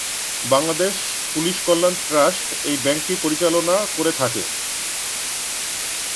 Bangladesh police Kalyan trust এই ব্যাংকটি পরিচালনা করে।